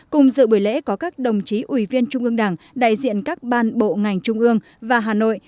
cùng dự buổi lễ có các đồng chí ủy viên trung ương đảng đại diện các ban bộ ngành trung ương và hà nội